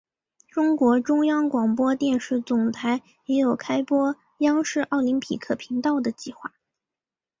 中国中央广播电视总台也有开播央视奥林匹克频道的计划。